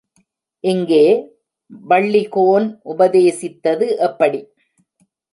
இங்கே, வள்ளிகோன் உபதேசித்தது எப்படி?